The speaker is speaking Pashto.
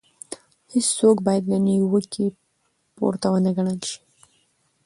هيڅوک بايد له نيوکې پورته ونه ګڼل شي.